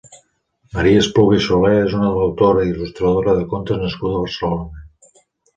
Maria Espluga i Solé és una autora i il·lustradora de contes nascuda a Barcelona.